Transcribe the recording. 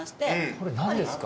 これ何ですか？